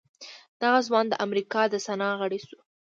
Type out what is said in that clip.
دغه ځوان د امريکا د سنا غړی شو.